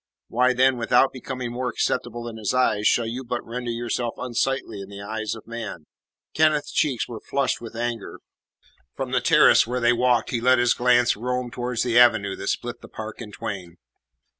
Why, then, without becoming more acceptable in His eyes, shall you but render yourself unsightly in the eyes of man?" Kenneth's cheeks were flushed with anger. From the terrace where they walked he let his glance roam towards the avenue that split the park in twain.